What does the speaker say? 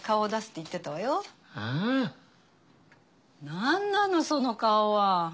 何なのその顔は。